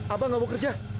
abang gak mau kerja